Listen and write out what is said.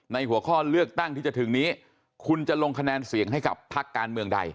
หัวข้อเลือกตั้งที่จะถึงนี้คุณจะลงคะแนนเสียงให้กับพักการเมืองใด